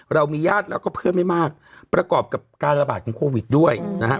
เรามีญาติแล้วก็เพื่อนไม่มากประกอบกับการระบาดของโควิดด้วยนะฮะ